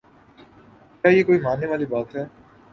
کیا یہ کوئی ماننے والی بات ہے؟